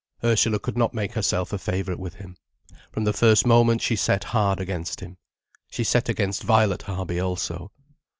Ursula could not make herself a favourite with him. From the first moment she set hard against him. She set against Violet Harby also.